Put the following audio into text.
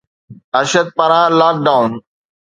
ارشد پاران lock down